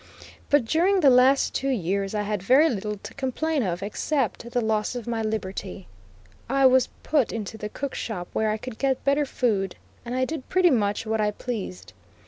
But during the last two years I had very little to complain of except the loss of my liberty. I was put into the cook shop where I could get better food, and I did pretty much what I pleased.